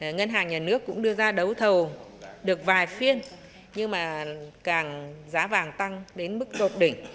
ngân hàng nhà nước cũng đưa ra đấu thầu được vài phiên nhưng mà càng giá vàng tăng đến mức đột đỉnh